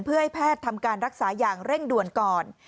เพื่อให้แพทย์ทำการรักษาอย่างเร่งด่วนก่อน